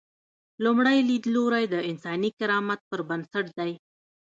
لومړی لیدلوری د انساني کرامت پر بنسټ دی.